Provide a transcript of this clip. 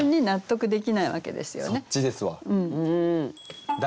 そっちですわ。